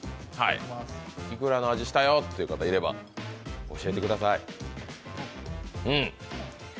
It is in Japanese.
いくらの味したよっていう方いれば教えてください。